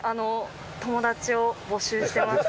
友達を募集してます。